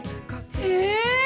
え！？